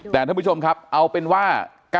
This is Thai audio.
แต่ท่านผู้ชมครับเอาเป็นว่า